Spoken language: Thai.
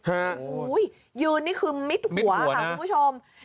ฮะโอ้โฮยืนนี่คือมิดหัวค่ะคุณผู้ชมมิดหัวนะ